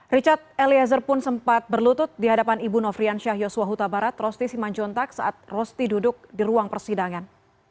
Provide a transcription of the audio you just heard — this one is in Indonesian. richard eliezer pun sempat berlutut di hadapan ibu nofrian syah yosua huta barat rosti simanjuntak saat rosti duduk di ruang persidangan